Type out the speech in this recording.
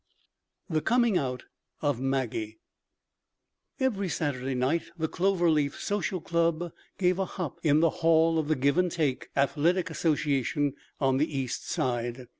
'" THE COMING OUT OF MAGGIE Every Saturday night the Clover Leaf Social Club gave a hop in the hall of the Give and Take Athletic Association on the East Side.